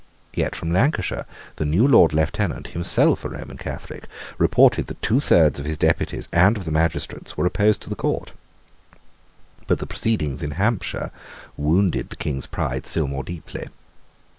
Yet from Lancashire the new Lord Lieutenant, himself a Roman Catholic, reported that two thirds of his deputies and of the magistrates were opposed to the court. But the proceedings in Hampshire wounded the King's pride still more deeply.